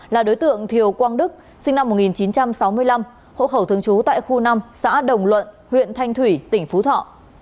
là đối tượng thiều quang đức sinh năm một nghìn chín trăm sáu mươi năm hộ khẩu thường trú tại khu năm xã đồng luận huyện thanh thủy tỉnh phú thọ